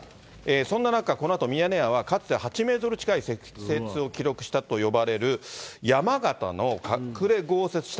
そんな中、このあとミヤネ屋はかつて８メートル近い積雪を記録したと呼ばれる、山形の隠れ豪雪地帯、